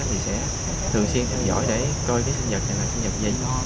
thì sẽ thường xuyên theo dõi để coi cái sinh nhật này là sinh nhật gì